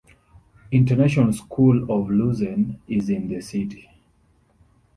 International School of Lausanne is in the city.